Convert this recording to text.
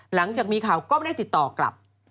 หลังจากมีข่าวก็ไม่ได้ติดต่อกลับ